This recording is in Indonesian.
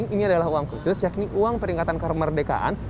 ini adalah uang khusus yakni uang peringatan kemerdekaan